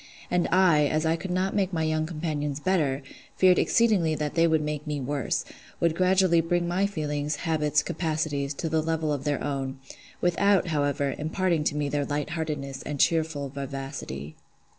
And I, as I could not make my young companions better, feared exceedingly that they would make me worse—would gradually bring my feelings, habits, capacities, to the level of their own; without, however, imparting to me their lightheartedness and cheerful vivacity.